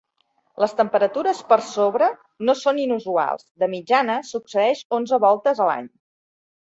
Les temperatures per sobre no són inusuals; de mitjana succeeix onze voltes a l'any.